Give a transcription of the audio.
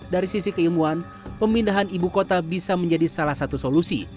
dari sisi keilmuan pemindahan ibu kota bisa menjadi salah satu solusi